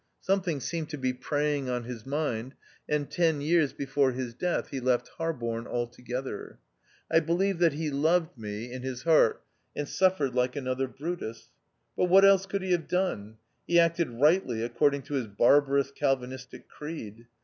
Something seemed to be preying on his mind, and ten years before his death he left Harborne altogether. I believe that he loved me in 254 THE OUTCAST. his heart, and suffered like another Brutus. But what else could he have done? He acted rightly according to his barbarous Calvinistic creed.